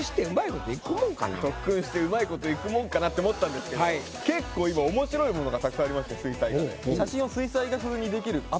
特訓してうまいこといくもんかなと思ったんですけど結構今おもしろいものがたくさんありまして水彩画で。